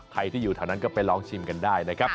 ใครที่อยู่แถวนั้นก็ไปลองชิมกันได้นะครับ